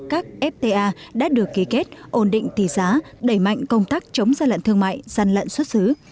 các fta đã được ký kết ổn định tỷ giá đẩy mạnh công tác chống gian lận thương mại gian lận xuất xứ